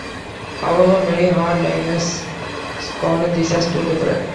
However, many hard-liners scorned these as too liberal.